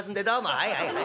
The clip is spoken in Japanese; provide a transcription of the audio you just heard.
はいはいはい。